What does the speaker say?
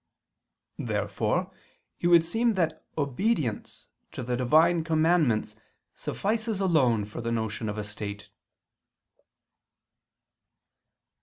Therefore it would seem that obedience to the Divine commandments suffices alone for the notion of a state.